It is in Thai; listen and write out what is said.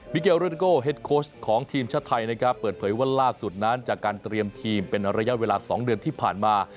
เกลโรดิโกเฮ็ดโค้ชของทีมชาติไทยนะครับเปิดเผยว่าล่าสุดนั้นจากการเตรียมทีมเป็นระยะเวลา๒เดือนที่ผ่านมา